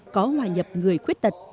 có hòa nhập người khuyết tật